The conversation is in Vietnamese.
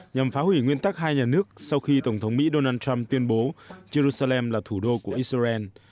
nhằm phá hủy nguyên tắc hai nhà nước sau khi tổng thống mỹ donald trump tuyên bố jerusalem là thủ đô của israel